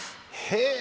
へえ。